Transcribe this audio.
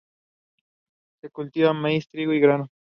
Se cultiva maíz, trigo y granos.